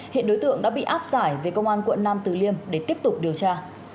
hiện đối tượng đã bị áp giải về công an quận nam từ liêm để tiếp tục điều tra